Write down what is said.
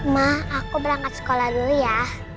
mak aku berangkat sekolah dulu ya